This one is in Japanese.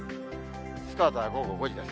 スタートは午後５時です。